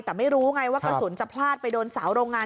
แต่ไม่รู้ไงว่ากระสุนจะพลาดไปโดนสาวโรงงาน